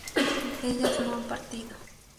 ellas no han partido